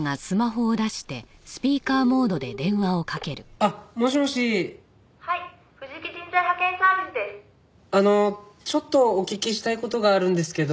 あのちょっとお聞きしたい事があるんですけど。